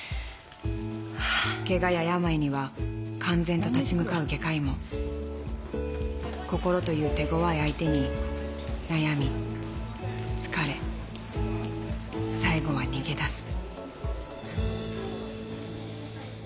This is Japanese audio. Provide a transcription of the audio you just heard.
［ケガや病には敢然と立ち向かう外科医も心という手ごわい相手に悩み疲れ最後は逃げだす］